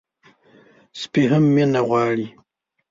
سپي هم مینه غواړي.